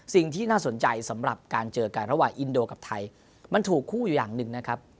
สิ่งที่น่าสนใจสำหรับการเจอกันระหว่างอินโดกับไทยมันถูกคู่อยู่อย่างหนึ่งนะครับ